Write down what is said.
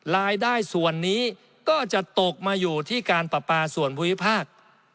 รายได้ส่วนนี้ก็จะตกมาอยู่ที่การประปาส่วนภูมิภาค